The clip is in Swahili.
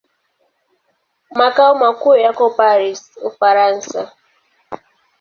Makao makuu yako Paris, Ufaransa.